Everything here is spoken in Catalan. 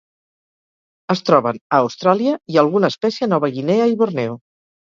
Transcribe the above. Es troben a Austràlia i alguna espècie a Nova Guinea i Borneo.